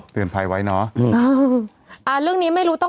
เตือนภัยไว้นะ